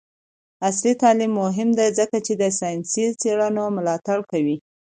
عصري تعلیم مهم دی ځکه چې د ساینسي څیړنو ملاتړ کوي.